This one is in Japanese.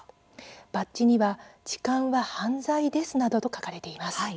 バッジには「痴漢は犯罪です」などと書かれています。